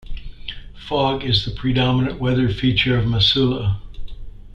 Fog is the predominant weather feature of Masuleh.